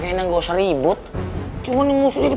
hah mereka masih nggak cari